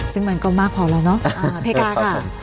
ซึ่งมันก็มากพอแล้วเนาะ